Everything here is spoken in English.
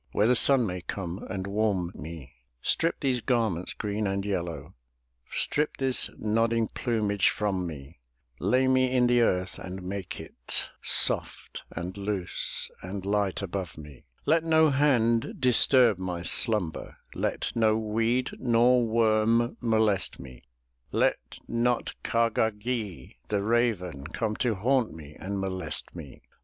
Where the sun may come and warm me; Strip these garments, green and yellow, Strip this nodding plumage from me. Lay me in the earth, and make it 385 MY BOOK HOUSE Soft and loose and light above me. Let no hand disturb my slumber, Let no weed nor worm molest me, Let not Kah gah gee', the raven, Come to haunt me and molest me.